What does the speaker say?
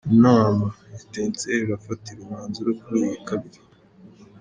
Inama: Etincelles irafatira umwanzuro kuri uyu Kabiri.